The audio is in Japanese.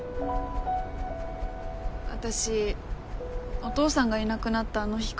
私お父さんがいなくなったあの日から